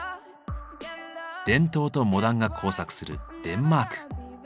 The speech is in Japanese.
伝統とモダンが交錯するデンマーク。